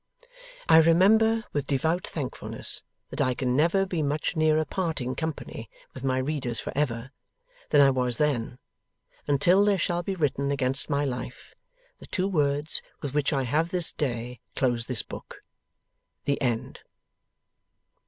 I remember with devout thankfulness that I can never be much nearer parting company with my readers for ever, than I was then, until there shall be written against my life, the two words with which I have this day closed this book: THE END.